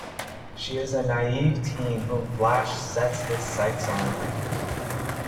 She is a naive teen whom Flash sets his sights on.